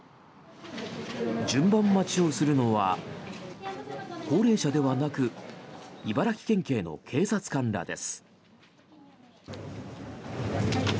順番待ちをするのは高齢者ではなく茨城県警の警察官らです。